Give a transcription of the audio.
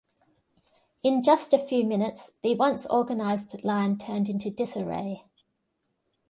In just a few minutes, the once organized line turned into disarray.